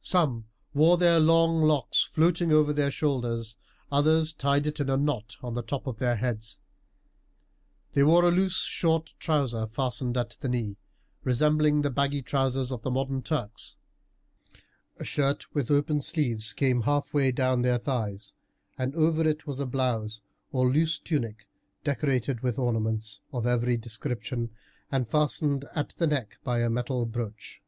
Some wore their long locks floating over their shoulders, others tied it in a knot on the top of their heads. They wore a loose short trouser fastened at the knee, resembling the baggy trousers of the modern Turks. A shirt with open sleeves came halfway down their thighs, and over it was a blouse or loose tunic decorated with ornaments of every description, and fastened at the neck by a metal brooch.